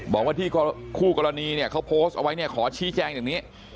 บอกว่าที่คู่กรณีเขาโพสต์เอาไว้ขอชี้แจ้งอย่างนี้